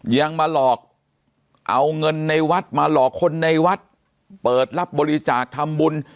ยังมาหลอกเอาเงินในวัดมาหลอกคนในวัดเปิดรับบริจาคทำบุญ